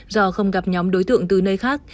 do không gặp nhóm đối tượng từ nơi khác